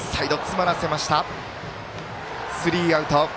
スリーアウト。